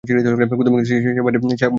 কুমুদকে সে বাড়ির বেড়া পার হইতে দিল না।